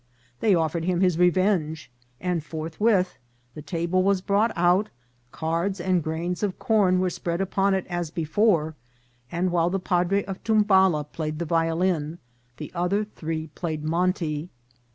They offered him his revenge, and forthwith the table was brought out, cards and grains of corn were spread upon it as before, and while the padre of Tumbala played the violin, the other three played Monte.